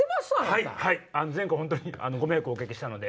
はい。